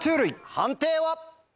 判定は？